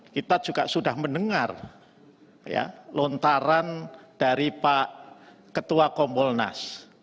kita juga sudah mendengar lontaran dari pak ketua kompolnas